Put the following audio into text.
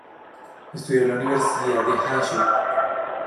Estudió en la universidad de Hangzhou.